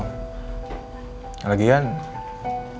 aku cuma keluar sebentar kok